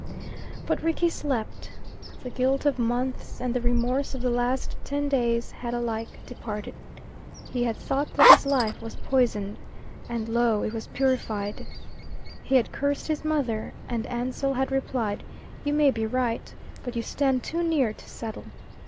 But Rickie slept. The guilt of months and the remorse of the last ten days had alike departed. He had thought that his life was poisoned, and lo! it was purified. He had cursed his mother, and Ansell had replied, "You may be right, but you stand too near to settle.